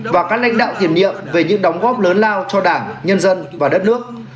và các lãnh đạo tiềm nhiệm về những đóng góp lớn lao cho đảng nhân dân và đất nước